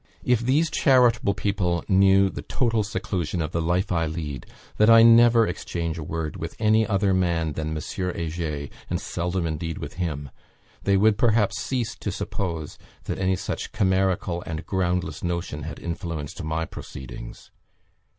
If these charitable people knew the total seclusion of the life I lead, that I never exchange a word with any other man than Monsieur Heger, and seldom indeed with him, they would, perhaps, cease to suppose that any such chimerical and groundless notion had influenced my proceedings.